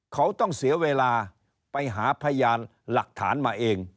เขาต้องเสียเวลาไปหาพยานหลักฐานมาเอง